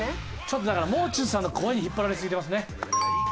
ちょっとだからもう中さんの声に引っ張られすぎてますね。